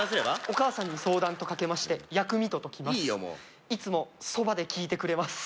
お母さんに相談と掛けまして薬味と解きますいいよもういつもそばできいてくれます